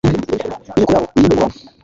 n'inyoko yabo uyirimbure mu bantu